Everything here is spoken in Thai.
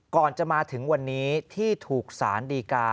ก่อนจะมาถึงวันนี้ที่ถูกสารดีกา